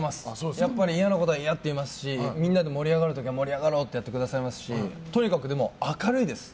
やっぱり嫌なことは嫌って言いますしみんなで盛り上がる時は盛り上がろうってやってくださいますしとにかく明るいです。